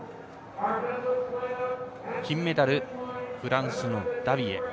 金メダル、フランスのダビエ。